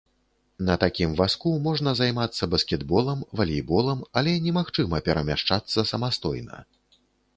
На такім вазку можна займацца баскетболам, валейболам, але немагчыма перамяшчацца самастойна.